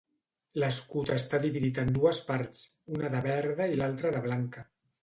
L'escut està dividit en dues parts, una de verda i l'alta de blanca.